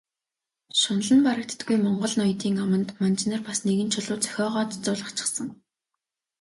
Шунал нь барагддаггүй монгол ноёдын аманд манж нар бас нэгэн чулуу зохиогоод зуулгачихсан.